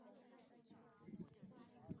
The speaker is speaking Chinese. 松林园蛛为园蛛科园蛛属的动物。